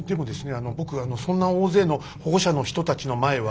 あの僕あのそんな大勢の保護者の人たちの前は。